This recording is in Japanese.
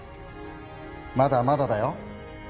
まだまだだよ